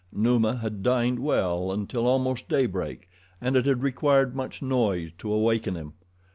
Numa had dined well until almost daybreak and it had required much noise to awaken him.